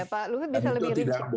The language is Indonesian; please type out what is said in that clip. tapi itu tidak boleh